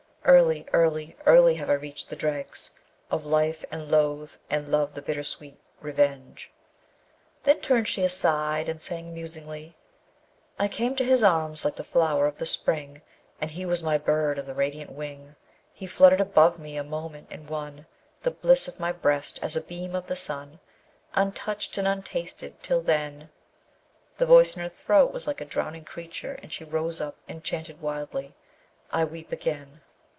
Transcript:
Early, early, early, have I reached the dregs Of life, and loathe and love the bittersweet, revenge! Then turned she aside, and sang musingly: I came to his arms like the flower of the spring, And he was my bird of the radiant wing: He flutter'd above me a moment, and won The bliss of my breast as a beam of the sun, Untouch'd and untasted till then The voice in her throat was like a drowning creature, and she rose up, and chanted wildly: I weep again?